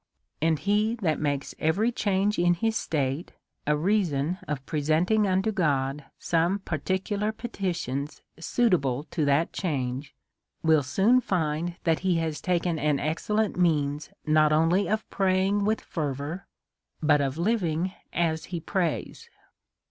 And he that makes every change in his state a rea son of presenting unto God some particular petitions suitable to that change, will soon find that he has taken an excellent means, not only of praying with fervour, but of living as he prays.